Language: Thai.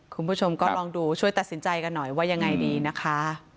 คุณผู้ชมก็ลองดูช่วยตัดสินใจกันหน่อยว่ายังไงดีนะคะ